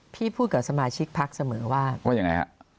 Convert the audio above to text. พี่พูดกับสมาชิกพรรคเสมอว่าว่าอย่างไรครับ